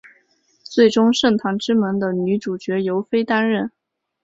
最终圣堂之门的女主角由飞担任。